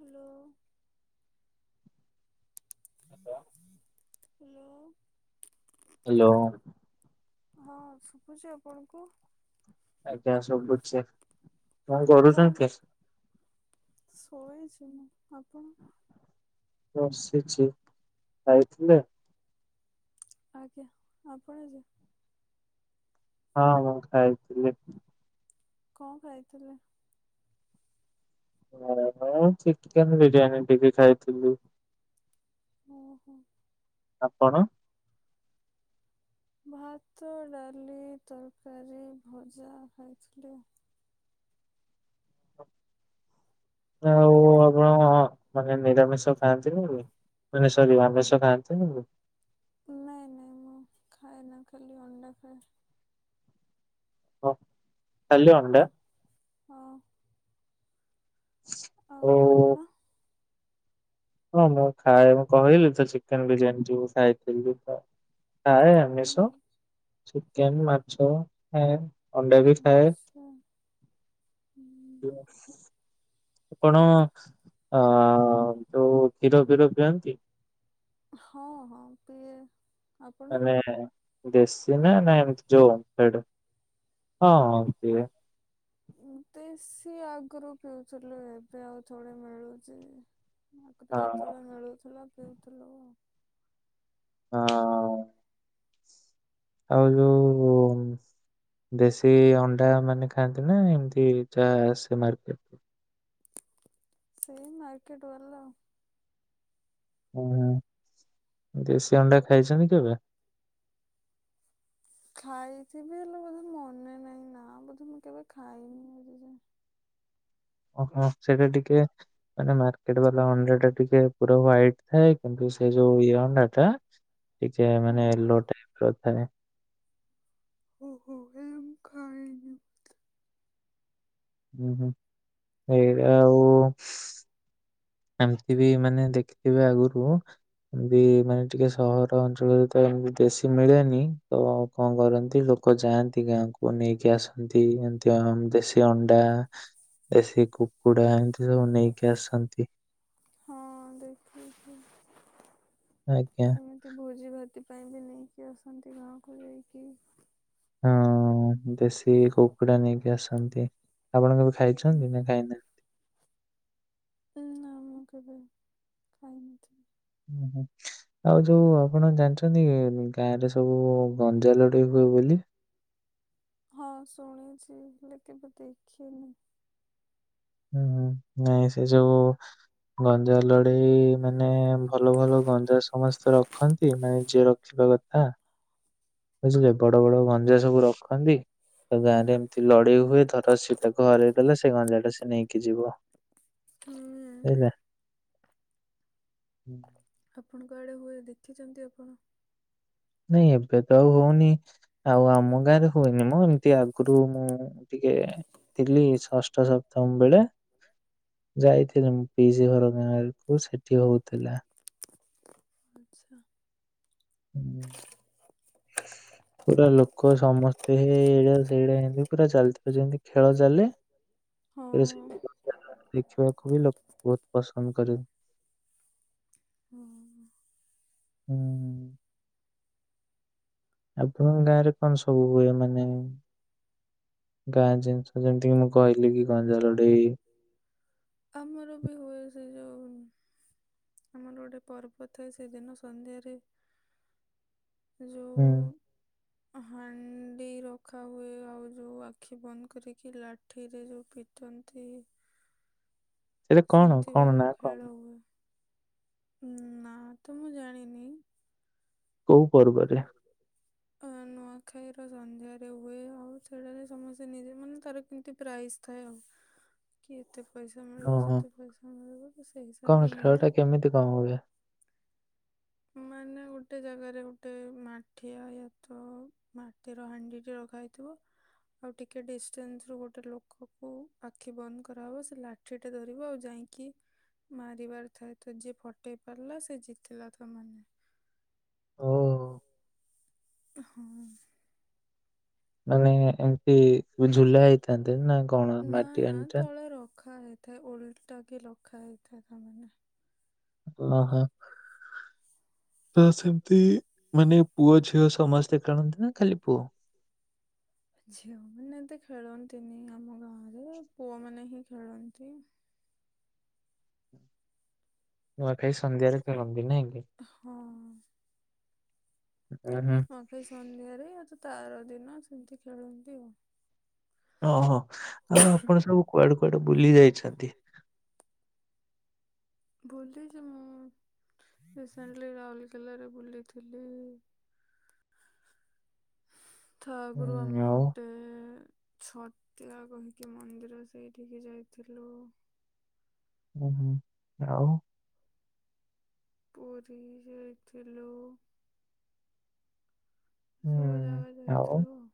Hello. ଆଜ୍ଞା [unintelligible] hello. Hello. ହଁ ଶୁଭୁଛି ଆପଣଙ୍କୁ? ଆଜ୍ଞା ସବୁଛି କଣ କଣ କରୁଛନ୍ତି? ଶୋଇଛି ମୁଁ। ଆପଣ? ବସିଛି। ଖାଇଥିଲେ? ଆଜ୍ଞା ଆପଣ ଯେ ହଁ ହ ଖାଇଥିଲି। କ ଖାଇଥିଲେ? ଓ ଚିକେନ ବିରିୟାନୀ ଟିକେ ଖାଇଥିଲି। ଓହୋ। ଆପଣ? ଭାତ, ଡାଲି, ତରକାରୀ, ଭଜା ଖାଇଥିଲି। ଆଉ ଆପଣ ହଁ ମାନେ ନିରାମିଷ ଖାଆନ୍ତି ନି କି ନା ସରି ଆମିଷ ଖାଆନ୍ତିନି କି? ନାଇଁ ନାଇଁ ମୁଁ ଖାଏ ନା ଖାଲି ଅଣ୍ଡା ଖାଏ। ଓ ଖାଲି ଅଣ୍ଡା? ହଁ ହଁ। ଓ ଆଉ ଆପଣ? ହଁ ମୁଁ ଖାଏ ମୁଁ କହିଲି ତ ଚିକେନ ବିରିୟାନୀ ଯୋଉ ଖାଇଥିଲି ତ। ଖାଏ ହୁଁ ଆମିଷ ଚିକେନ ମାଛ ଖାଏ ଅଣ୍ଡା ବି ଖାଏ। ଆଛା। ୟେଶ୍। ଆପଣ ଅ ଯୋଉ କ୍ଷୀର ଫୀର ପିଅନ୍ତି? ହଁ ହଁ ପିଏ। ଆପଣ ମାନେ ଦେଶୀ ନା ନା ଏମିତି ଯୋଉ ଓମଫେଡ ହଁ ହଁ ପିଏ। ଦେଶୀ ଆଗରୁ ପିଉଥିଲୁ ଏବେ ଆଉ ଥୋଡ଼ି ମିଳୁଛି। ଆଗରୁ ହଁ ଯେତେବେଳେ ମିଳୁଥିଲା ପିଉଥିଲୁ ଆଉ। ହଁ ଅ। ଆଉ ଯୋଉ। ଦେଶୀ ଅଣ୍ଡା ମାନେ ଖାଆନ୍ତି ନା ଏମିତି ଯା ଆସେ ମର୍କେଟ ସେଇ ମାର୍କେଟ ବାଲା ଆଉ। ଓ ହଁ ଦେଶୀ ଅଣ୍ଡା ଖାଇଛନ୍ତି କେବେ? ଖାଇଥିବି ହେଲେ ବୋଧେ ମନେ ନାହିଁ ନା ବୋଧେ ମୁଁ କେବେ ଖାଇନି ଆଜି ଯାଏ। ଓହୋ ସେଇଟା ଟିକେ ମାନେ ମର୍କେଟ ବାଲା ଅଣ୍ଡା ଟା ଟିକେ ପୁରା ହ୍ଵାଇଟ ଥାଏ କିନ୍ତୁ ସେ ଯୋଉ ଇଏ ଅଣ୍ଡା ଟା କି ଜେ ହଁ ମାନେ ୟେଲୋ ଟାଇପ ର ଥାଏ। ଓହୋ ନା ମୁଁ ଖାଇନି। ହୁଁ ହୁଁ ହେଇରାଆଉ ଏମିତି ବି ମାନେ ଦେଖିଥିବେ ଆଗୁରୁ ଯଦି ମାନେ ଟିକେ ସହର ଅଞ୍ଚଳରେ ତ ଏମିତି ଦେଶୀ ମିଳେନି ତ କଣ କରନ୍ତି ଲୋକ ଯାଆନ୍ତି ଗାଁକୁ ନେଇକି ଆସନ୍ତି ଏମିତି ହଁ ଦେଶୀ ଅଣ୍ଡା ଦେଶୀ କୁକୁଡା଼ ଏମିତି ସବୁ ନେଇକି ଆସନ୍ତି। ହଁ ଦେଖିଛି। ଆଜ୍ଞା। ଏମିତି ଭୋଜି ଭାତି ପାଇଁ ବି ନେଇକି ଆସନ୍ତି ଗାଁକୁ ଯାଇକି। ହଁ ଦେଶୀ କୁକୁଡା଼ ନେଇକି ଆସନ୍ତି ଆପଣ କେବେ ଖାଇଛନ୍ତି ନା ଖାଇନାହାନ୍ତି? ନ ନା ମୁଁ କେବେ ଖାଇ ନଥିବି। ହୁଁ। ଆଉ ଯୋଉ ଆପଣ ଜାଣିଛନ୍ତି ଗାଁରେ ସବୁ ଗଞ୍ଜା ଲଢେଇ ହୁଏ ବୋଲି। ହଁ ଶୁଣିଛି ହେଲେ କେବେ ଦେଖିନି। ହୁଁ ନାଇଁ ସେ ଯୋଉ ଗଞ୍ଜା ଲଢେଇ ମାନେ ଭଲ ଭଲ ଗଞ୍ଜା ସମସ୍ତେ ରଖନ୍ତି ମାନେ ଯିଏ ରଖ ଯିବା କଥା। ବୁଝିଲେ ବଡ଼ ବଡ଼ ଗଞ୍ଜା ସବୁ ରଖନ୍ତି। ତ ଗାଁ ରେ ଏମିତି ଲଢେଇ ହୁଏ ଧର ସେ ତାକୁ ହରେଇ ଦେଲା ସେ ଗଞ୍ଜା ଟା ସେ ନେଇକି ଯିବ। ହୁଁ ଏଇରା। ଆପଣଙ୍କ ଆଡ଼େ ହୁଏ ଦେଖିଛନ୍ତି ଆପଣ? ନାଇଁ ଏବେ ତ ଆଉ ହଉନି। ଆଉ ଆମ ଗାଁ ରେ ହୁଏନି ମ ଏମିତି ଆଗରୁ ମୁଁ ଟିକେ ଥିଲି ଷଷ୍ଠ ସପ୍ତମ ବେଳେ। ଯାଇଥିଲି ମୁଁ ପିଉସି ଘର ଗାଁକୁ ସେଠି ହଉଥିଲା। ଆଚ୍ଛା। ଉହୁଁ। ପୁରା ଲୋକ ସମସ୍ତେ ହେଇଟା ସେଇଟା ଏମିତି ପୁରା ଚାଲିଥିବ ଯେମିତି ଖେଳ ଚାଲେ। ଏ ହଁ। ସେମିତି ଦେଖିବାକୁ ବି ଲୋକ ବହୁତ ପସନ୍ଦ କରିବେ। ହୁଁ। ହୁଁ। ଆପଣ ଗାଁ ରେ କଣ ସବୁ ହୁଏ ମାନେ? ଗାଁ ଜିନିଷ ଯେମିତି କି ମୁଁ କହିଲି କି ଗଞ୍ଜା ଲଢ଼େଇ ଆମର ବି ହୁଏ। ସେ ଯୋଉ ଆମର ଗୋଟେ ପର୍ବ ଥାଏ ସେଦିନ ସନ୍ଧ୍ୟାରେ ଯୋଉ ହୁଁ। ହାଣ୍ଡି ରଖା ହୁଏ ଆଉ ଯୋଉ ଆଖି ବନ୍ଦ କରିକି ଲା ଠିରେ ଯୋଉ ପିଟନ୍ତି। ସେଇଟା କଣ? ସେମିତି କଣ ବାଲା ନା କଣ? ଖେଳ ହୁଏ। ନାଁ ତ ମୁଁ ଜାଣିନି। କୋଉ ପର୍ବରେ? ଅ ନୂଆଁଖାଇର ସନ୍ଧ୍ୟାରେ ହୁଏ। ଆଉ ସେଟାରେ ସମସ୍ତେ ନିଜେ ମାନେ ତାର କେମିତି ପ୍ରାଇଜ୍ ଥାଏ ଆଉ। [inaudible] କି ଏତେ ପଇସା ମିଳିବ, ଓହୋ! ସେତେ ପଇସା ମିଳିବ ତ ସେଇ କଣ ହିସାବରେ ମିଳେ। ଖେଳଟା କେମିତି କଣ ହୁଏ? ମାନେ ଗୋଟେ ଜାଗାରେ ଗୋଟେ ମାଠିଆ ୟା ତ ମାଟିର ହାଣ୍ଡି ଟିଏ ରଖା ହେଇଥିବ। ଆଉ ଟିକେ ଡିଷ୍ଟାନ୍ସ ରୁ ଗୋଟେ ଲୋକକୁ ଆଖି ବନ୍ଦ କରାହେବ, ସେ ଲା ଲାଠି ଟିଏ ଧରିବ ଆଉ ଯାଇକି ମାରିବାର ଥାଏ, ତ ଯିଏ ଫଟେଇ ପାରିଲା ସେ ଜିତିଲା ତା ମାନେ। ଓହୋ! ହଁ। ମାନେ ଏମିତି ଝୁଲା ହେଇଥାନ୍ତେ ନା କଣ ନା ମାଟି ନା ହାଣ୍ଡି ଟା? ତଳେ ରଖା ହୋଇ ଥାଏ। ଓଲଟା କି ରଖା ହୋଇଥାଏ ତା ମାନେ। ଓହୋଃ। ତ ସେମିତି ମାନେ ପୁଅ, ଝିଅ ସମସ୍ତେ ଖେଳନ୍ତି ନା ଖାଲି ପୁଅ? ଝିଅମାନେ ଏତେ ଖେଳନ୍ତିନି ଆମ ଗାଁରେ ପୁଅମାନେ ହିଁ ଖେଳନ୍ତି। ନୂଆଁଖାଇ ସନ୍ଧ୍ୟାରେ ଖେଳନ୍ତି। ନାଇଁ କି? ହଁ। ହୁଁ ହୁଁ। ହଁ ନୂଆଁଖାଇ ସନ୍ଧ୍ୟାରେ ଆଉ ତା ଆର ଦିନ ସେମିତି ଖେଳନ୍ତି ଆଉ। ଓହୋଃ, ଆଉ ଆପଣ ସବୁ କୁଆଡ଼େ କୁଆଡ଼େ ବୁଲି ଯାଇଛନ୍ତି? ବୁଲିଛି ମୁଁ ରିସେଣ୍ଟଲି ରାଉଲକେଲା ରେ ବୁଲିଥିଲି। [inaudible] ତା ଆଗରୁ ହୁଁ, ଆମେ ଆଉ? ଗୋଟେ ଛତିଆ କହିକି ମନ୍ଦିର ସେଇଠିକି ଯାଇଥିଲୁ। ହୁଁ ହୁଁ, ଆଉ? ପୁରୀ ଯାଇଥିଲୁ। ସବୁ ଜାଗା ଯାଇଥିଲୁ ଆଉ।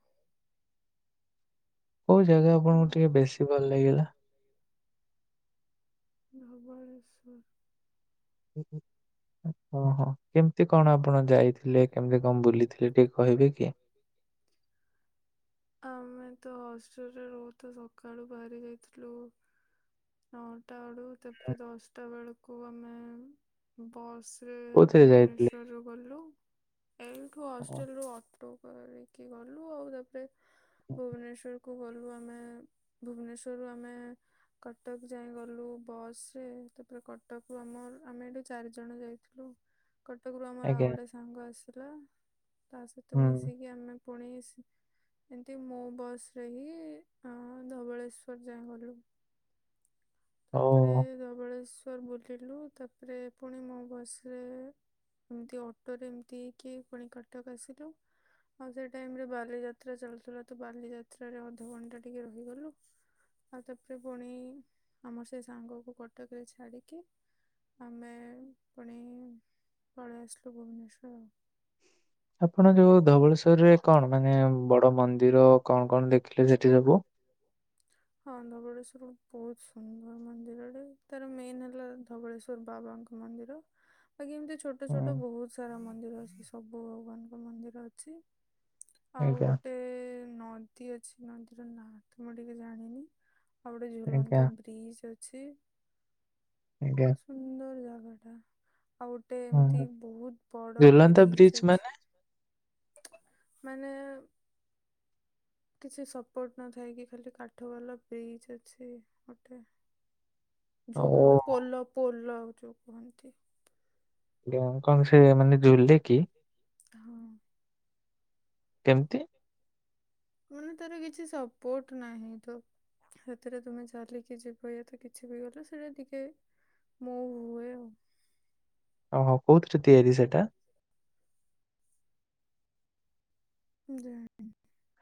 କୋଉ ଜାଗା ଆପଣଙ୍କୁ ଆଉ। ଟିକେ ବେଶୀ ଭଲ ଲାଗିଲା? ଧବଳେଶ୍ୱର। ଓହୋଃ। କେମିତି କଣ ଆପଣ ଯାଇଥିଲେ, କେମିତି କଣ ବୁଲିଥିଲେ ଟିକେ କହିବେ କି? ଆମେ ତ ହଷ୍ଟେଲରେ ରହୁ, ତ ସକାଳୁ ବାହାରି ଯାଇଥିଲୁ ନଅଟା ବେଳକୁ ତା ହୁଁ। ପରେ ଦଶଟା ବେଳକୁ ଆମେ ବସ୍ ରେ କୋଉଥିରେ ଯାଇଥିଲେ? ଭୁବନେଶ୍ଵରରୁ ଗଲୁ। ଏଇଠୁ ଓ, ହଷ୍ଟେଲ ରୁ ଅଟୋ କରିକି ଗଲୁ। ଆଉ ତାପରେ ଭୁବନେଶ୍ଵର କୁ ଗଲୁ ଆମେ। ଭୁବନେଶ୍ଵରରୁ ଆମେ କଟକ ଯାଏ ଗଲୁ ବସ୍ ରେ। ତାପରେ କଟକରୁ ଆମର ଆମେ ଏଇଠୁ ଚାରିଜଣ ଯାଇଥିଲୁ। କଟକରୁ ଆମର ଆଉ ଆଜ୍ଞା, ଗୋଟେ ସାଙ୍ଗ ଆସିଲା। ତା ସହିତ ହୁଁ, ମିଶିକି ଆମେ ପୁଣି ଏମିତି ମୋ ବସ୍ ରେ ହିଁ ଅ ଧବଳେଶ୍ଵର ଯାଏଁ ଗଲୁ। ତାପରେ ଓହୋ! ଧବଳେଶ୍ଵର ବୁଲିଲୁ। ତାପରେ ପୁଣି ମୋ ବସ୍ ରେ ଏମତି ଅଟୋରେ ଏମିତି କି ପୁଣି କଟକ ଆସିଲୁ। ଆଉ ସେ ଟାଇମ ରେ ବାଲିଯାତ୍ରା ଚାଲୁଥିଲା ତ, ବାଲିଯାତ୍ରାରେ ଅଧଘଣ୍ଟା ଟିକେ ରହିଗଲୁ। ଆଉ ତାପରେ ପୁଣି ଆମର ସେଇ ସାଙ୍ଗକୁ କଟକରେ ଛାଡିକି ଆମେ ପୁଣି ପଳେଇ ଆସିଲୁ ଭୁବନେଶ୍ୱର। ଆପଣ ଯୋଉ ଧବଳେଶ୍ଵରରେ କଣ ମାନେ ବଡ ମନ୍ଦିର କଣ କଣ ଦେଖିଲେ ସେଠି ସବୁ? ହଁ ଧବଳେଶ୍ୱର ବହୁତ ସୁନ୍ଦର ମନ୍ଦିରଟେ, ତାର ମେନ୍ ହେଲା ଧବଳେଶ୍ୱଵର ବାବାଙ୍କ ମନ୍ଦିର ବାକି ଏମିତି ଛୋଟ ଛୋଟ ହୁଁ, ଛୋଟ ବହୁତ ସାରା ମନ୍ଦିର ଅଛି ସବୁ ଭଗବାନଙ୍କ ମନ୍ଦିର ଅଛି। ଆଉ ଆଜ୍ଞା, ଗୋଟେ ନଦୀ ଅଛି ନଦୀର ନାଁ ତ ମୁଁ ଟିକେ ଜାଣିନି। ଆଉ ଗୋଟେ ଆଜ୍ଞା, ଝୁଲନ୍ତା ବ୍ରିଜ ଅଛି। ଆଜ୍ଞା। ସୁନ୍ଦର ଜାଗା ଟା। ଆଉ ଗୋଟେ ହୁଁ, ଏମିତି ହୁଁ, ବହୁତ ବଡ ଝୁଲନ୍ତା ବ୍ରିଜ୍ ବ୍ରିଜ ଅଛି। ମାନେ? ମାନେ କିଛି ସପୋର୍ଟ ନଥାଇକି ଖାଲି କାଠ ବାଲା ବ୍ରିଜ ଅଛି ଗୋଟେ। ଓହୋ! ଝୁଲନ୍ଦ ପୋଲ ପୋଲ ଯୋଉ କୁହନ୍ତି। ଗାଁ କଣ ସେ ମାନେ ଝୁଲେ କି? ହଁ। କେମିତି? ମାନେ ତାର କିଛି ସପୋର୍ଟ ନାହିଁ ତ। ସେଥିରେ ତମେ ଚାଲିକି ଯିବ ଯଦି କିଛି ବି ହେଲେ ସେଇଟା ଟିକେ ମୁଭ୍ ହୁଏ ଆଉ। ଓହୋ କୋଉଥିରେ ତିଆରି ସେଟା? [inaudible]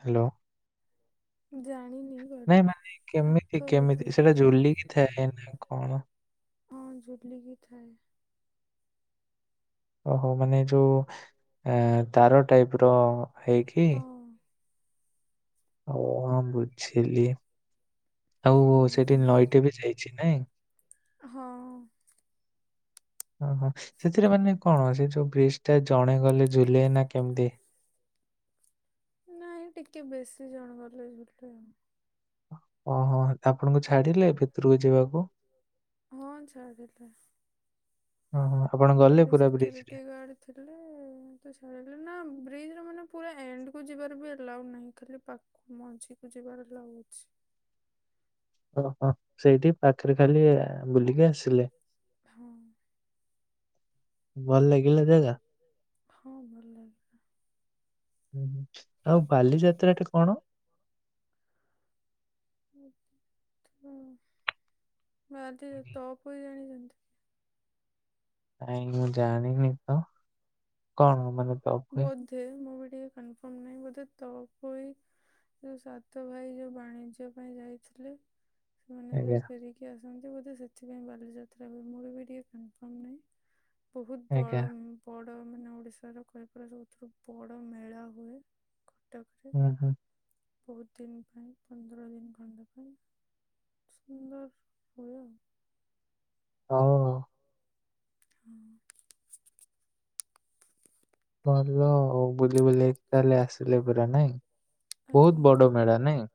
ହ୍ୟାଲୋ। ଜାଣିନି। ଗଲେ ନାଇଁ ମାନେ କେମିତି କାଠ ହେଇଥିବ କେମିତି ସେଇଟା ଝୁଲିକି ଥାଏ ନା କଣ। ହଁ ଝୁଲିକି ଥାଏ। ଓହୋ ମାନେ ଯୋଉ ଅ ତାର ଟାଇପ ର ହେଇକି ହଁ ଓ ହଁ ବୁଝିଲି। ଆଉ ସେଠି ହୁଁ। ନଈଟେ ବି ଯାଇଚି ନାଇଁ? ହଁ ଓହୋ ସେଥିରେ ମାନେ କଣ, ସେ ଯୋଉ ବ୍ରିଜ ଟା ଜଣେ ଗଲେ ଝୁଲେ ନା କେମିତି? ନାଇଁ ଟିକେ ବେଶୀ ଜଣ ଗଲେ ଝୁଲେ। ଓହୋ ଆପଣଙ୍କୁ ଛାଡିଲେ ଭିତରକୁ ଯିବାକୁ? ହଁ ଛାଡ଼ିଲେ। ଓହଁ ଆପଣଙ୍କ ସେଠି ସିକ୍ୟୋରିଟି ଗାର୍ଡ। ଥିଲେ ତ ଛାଡିଲେ ନା ବ୍ରିଜ ର ମାନେ ପୁରା ଏଣ୍ଡକୁୁ ଯିବାର ବି ଏଲାଉଡ ନାହିଁ। ଖାଲି ପା ମଝିକୁ ଯିବାର ଲାଉ ଅଛି। ଓହୋ ସେଇଠି ପାଖରେ ଖାଲି ବୁଲିକି ଆସିଲେ। ହଁ। ଭଲ ଲାଗିଲା ଜାଗା। ହଁ ଭଲ ଲାଗେ। ହୁଁ ଆଉ ବାଲିଯାତ୍ରା ଟେ କଣ? ହଁ ତ ବାଲି ଯା ତପୋଇ ଜାଣିଚନ୍ତି? ନାଇଁ ମୁଁ ଜାଣିନି ତ କଣ ମାନେ ତଅପୋଇ? ତେ ମୁଁ ବି ଟିକେ କନଫର୍ମ ନାହିଁ ବୋଧେ ତପୋଇ ଯୋଉ ସାତ ଭାଇ ଯୋଉ ବାଣିଜ୍ୟ ପାଇଁ ଯାଇଥିଲେ। ସେମାନେ ଯୋଉ ଆଜ୍ଞା ଫେରି କି ଆସନ୍ତି ବୋଧେ ସେଥିପାଇଁ ବାଲିଯାତ୍ରା ହୁଏ ମୁଁ ବି ଟିକେ କନଫର୍ମ ନାହିଁ। ବହୁତ ବଳ ଆଜ୍ଞା ବଡ ମାନେ ଓଡିଶାର କହି ଏରା ସବୁଥିରୁ ବଡ ମେଳା ହୁଏ। କଟକ ଉଁ ହୁଁ। ବହୁତ ଦିନ ପାଇଁ ପନ୍ଦର ଦିନ ଖଣ୍ଡା ପାଇଁ। ସୁନ୍ଦର ହୁଏ। ହଁ। ହଁ। ଭଲ ଆଉ ବୁଲି ବୁଲିି କି ତାହେଲେ ଆସିଲେ ପୁରା ନାଇଁ। ବହୁତ ବଡ ମେଳା ନାଇଁ?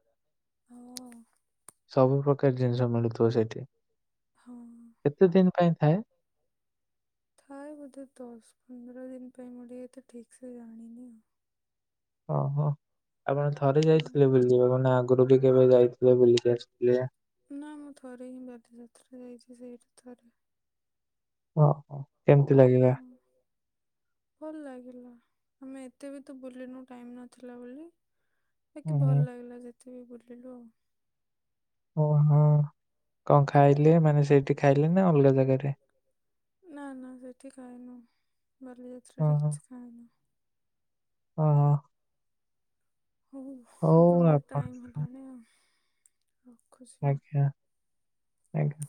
ହଁ। ସବୁ ପ୍ରକାର ଜିନିଷ ମିଳୁଥିବ ସେଠି? ହଁ। କେତେ ଦିନ ପାଇଁ ଥାଏ? ଥାଏ ବୋଧେ ଦଶ ପନ୍ଦର ଦିନ ପାଇଁ ମୁଁ ଟିକେ ଏତେ ଠିକ ସେ ଜାଣିନି ଆଉ। ଓହୋ ଆପଣ ଥରେ ହଁ। ଯାଇଥିଲେ ବୁଲିିବାକୁ ନା ଆଗରୁ ବି କେବେ ଯାଇଥିଲେ ବୁଲିିକି ଆସିଥିଲେ? ନା ମୁଁ ଥରେ ହିଁ ବାଲିଯାତ୍ରା ଯାଇଚି ସେଇଠି ଥରେ। ଓଅ କେମତି ଲାଗିଲା? ହଁ। ଭଲ ଲାଗିଲା ଆମେ ଏତେ ବି ତ ବୁଲିନୁ ଟାଇମ ନଥିଲା ବୋଲି। ବାକି ହୁଁ ଭଲ ହୁଁ ଲାଗିଲା ଯେତେ ବି ବୁଲିଲୁ ଆଉ। ଓହଁ କଣ ଖାଇଲେ ମାନେ ସେଇଠି ଖାଇଲେ ନା ଅଲଗା ଜାଗାରେ? ନା ନା ସେଠି ଖାଇନୁ ବାଲିଯାତ୍ରରେ କିଛି ଖାଇନୁ। ଓହ। ହଉ ହଉ ଆପଣଙ୍କର ଆପଣ ଟାଇମ୍ ହେଲାଣି ଆଉ। ରଖୁଛି ମୁଁ। ଆଜ୍ଞା ଆଜ୍ଞା।